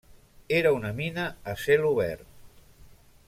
Era una mina a cel obert.